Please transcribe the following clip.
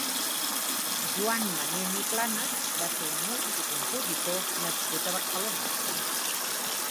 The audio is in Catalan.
Joan Manén i Planas va ser un músic i compositor nascut a Barcelona.